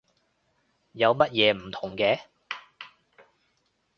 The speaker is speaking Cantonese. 有乜嘢唔同嘅？